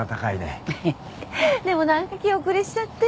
でも何か気後れしちゃって。